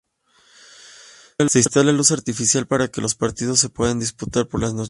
Se instala luz artificial para que los partidos se puedan disputar por las noches.